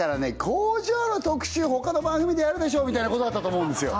工場の特集他の番組でやるでしょみたいなことだったと思うんですよ